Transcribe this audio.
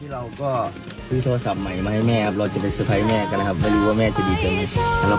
เราก็ซื้อโทรศัพท์ใหม่ให้แม่ครับฝรั่งจะไปสะพายแม่กันแหละครับแล้วห้ารู้ว่าแม่ได้ดีจนเหรอครับ